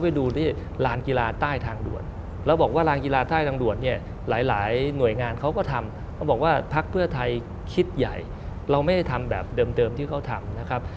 เพราะว่าพักเพื่อไทยคิดใหญ่เราไม่ได้ทำแบบเดิมที่เขาทำนะครับ